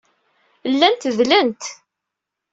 Llant dlent.